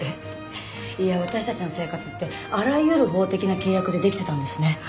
いや私たちの生活ってあらゆる法的な契約でできてたんですね。